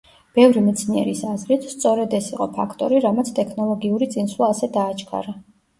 ბევრი მეცნიერის აზრით სწორედ ეს იყო ფაქტორი რამაც ტექნოლოგიური წინსვლა ასე დააჩქარა.